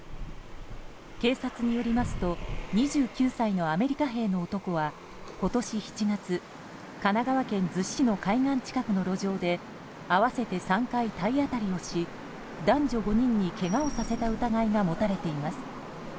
警察によりますと２９歳のアメリカ兵の男は今年７月、神奈川県逗子市の海岸近くの路上で合わせて３回、体当たりをし男女５人にけがをさせた疑いが持たれています。